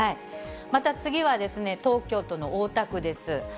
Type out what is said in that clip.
また次は、東京都の大田区です。